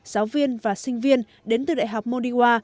giáo viên và sinh viên đến từ đại học modiwa